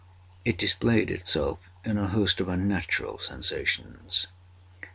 It displayed itself in a host of unnatural sensations.